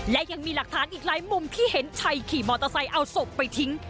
และยังมีหลักฐานอีกหลายมุมที่เห็นชัยขี่มอเตอร์ไซค์เอาศพไปทิ้ง